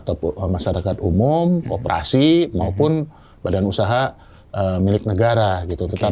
atau masyarakat umum kooperasi maupun badan usaha milik negara gitu